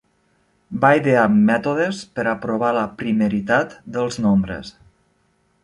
Va idear mètodes per a provar la primeritat dels nombres.